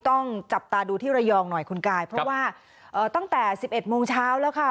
ต้องจับตาดูที่ระยองหน่อยคุณกายเพราะว่าตั้งแต่๑๑โมงเช้าแล้วค่ะ